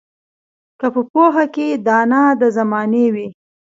که په پوهه کې دانا د زمانې وي